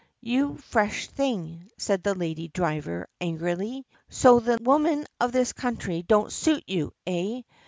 "You fresh thing!" said the lady driver angrily. "So the women of this country don't suit you, eh?